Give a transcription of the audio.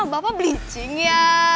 bapak belicing ya